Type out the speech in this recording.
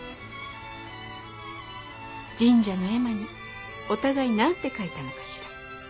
神社の絵馬にお互い何て書いたのかしら。